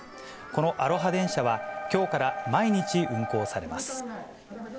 このアロハ電車は、きょうから毎日運行されます。